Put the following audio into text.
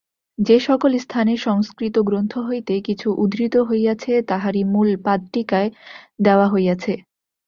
যে-সকল স্থানে সংস্কৃত গ্রন্থ হইতে কিছু উদ্ধৃত হইয়াছে, তাহারই মূল পাদটীকায় দেওয়া হইয়াছে।